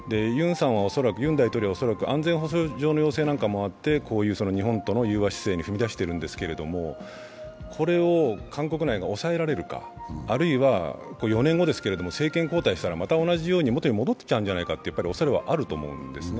ユン大統領は安全保障上のこともあってこういう日本との融和姿勢に踏み出しているんですけれども、これを韓国内が抑えられるかあるいは４年後ですけれども、政権交代したらまた同じように元に戻っちゃうんじゃないかというおそれはあるんですね。